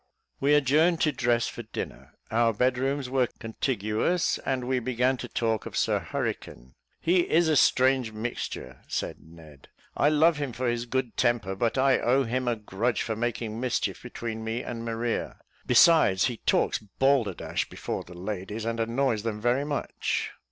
We adjourned to dress for dinner; our bed rooms were contiguous, and we began to talk of Sir Hurricane. "He is a strange mixture," said Ned. "I love him for his good temper; but I owe him a grudge for making mischief between me and Maria; besides, he talks balderdash before the ladies, and annoys them very much."